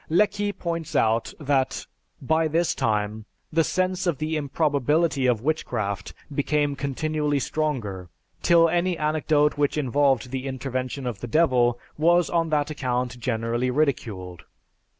Lecky points out that by this time, "The sense of the improbability of witchcraft became continually stronger, till any anecdote which involved the intervention of the Devil was on that account generally ridiculed.